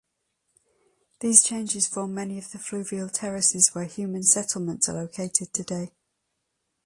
These changes formed many of the fluvial terraces where human settlements are located today.